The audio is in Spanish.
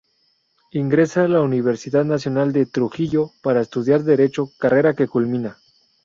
Ingresa a la Universidad Nacional de Trujillo para estudiar Derecho, carrera que culmina.